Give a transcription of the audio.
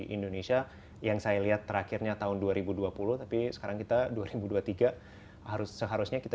indonesia yang saya lihat terakhirnya tahun dua ribu dua puluh tapi sekarang kita dua ribu dua puluh tiga harus seharusnya kita